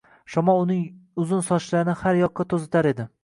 Shamol uning uzun sochlarini har yoqqa to‘zitar edi